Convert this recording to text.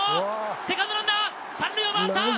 セカンドランナー３塁を回った！